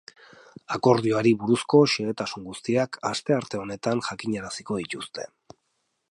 Akordioari buruzko xehetasun guztiak astearte honetan jakinaraziko dituzte.